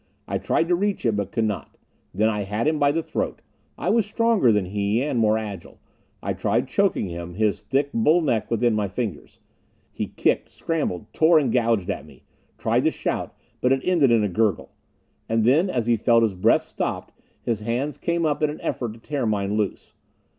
I tried to reach it, but could not. Then I had him by the throat. I was stronger than he, and more agile. I tried choking him, his thick bull neck within my fingers. He kicked, scrambled, tore and gouged at me. Tried to shout, but it ended in a gurgle. And then, as he felt his breath stopped, his hands came up in an effort to tear mine loose.